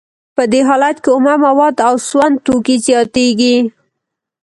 په دې حالت کې اومه مواد او سون توکي زیاتېږي